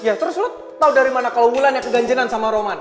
ya terus lo tau dari mana kalo wulan yang keganjiran sama roman